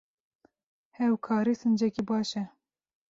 Hevkarî sincekî baş e.